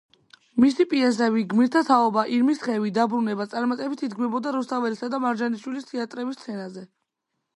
მისი პიესები „გმირთა თაობა“, „ირმის ხევი“, „დაბრუნება“ წარმატებით იდგმებოდა რუსთაველისა და მარჯანიშვილის თეატრების სცენაზე.